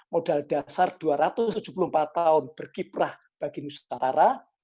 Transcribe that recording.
modal dasar dua ratus tujuh puluh empat tahun berkiprah bagi nusantara